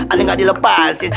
aneh gak dilepasin